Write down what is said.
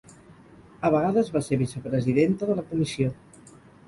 A vegades va ser vicepresidenta de la comissió.